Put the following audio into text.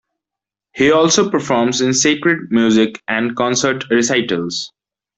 He also performs in sacred music and concert recitals.